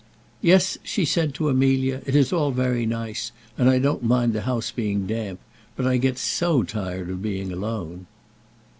"Yes," she said to Amelia, "it is all very nice, and I don't mind the house being damp; but I get so tired of being alone."